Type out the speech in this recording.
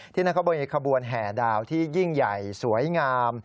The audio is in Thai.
นั่นเขามีขบวนแห่ดาวที่ยิ่งใหญ่สวยงาม